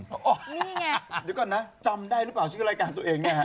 เดี๋ยวก่อนนะจำได้หรือเปล่าชื่อรายการตัวเองนะครับ